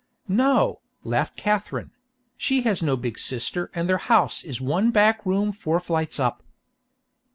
"No," laughed Katherine; "she has no big sister and their house is one back room four flights up."